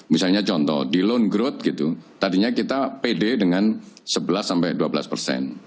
misalnya contoh di loan growth gitu tadinya kita pede dengan sebelas dua belas persen